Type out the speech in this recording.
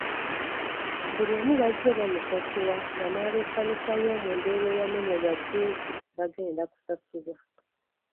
Buli omu bazze bamusasula nga n’abekkanisa y’omu Ndeeba eyamanyebwa jjuuzi bagenda kusasulwa .